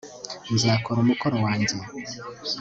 nzakora umukoro wanjye